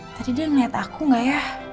tapi yang bener gw